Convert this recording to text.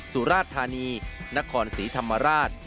สุราชธานีนครศรีธรรมราช